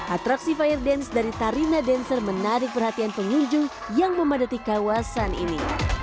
atraksi fire dance dari tarina dancer menarik perhatian pengunjung yang memadati kawasan ini